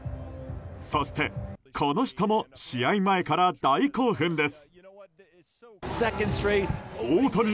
そして、この人も試合前から大興奮です。